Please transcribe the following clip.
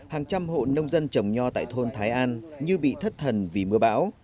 hàng trăm hộ nông dân trồng nho tại thôn thái an như bị thất thần vì mưa bão